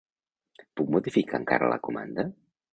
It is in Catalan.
Puc modificar encara la comanda?